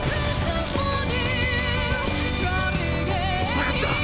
塞がった！！